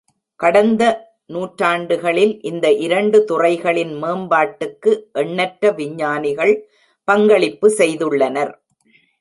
கடந்த நூற்றாண்டுகளில் இந்த இரண்டு துறைகளின் மேம்பாட்டுக்கு எண்ணற்ற விஞ்ஞானிகள் பங்களிப்பு செய்துள்ளனர்.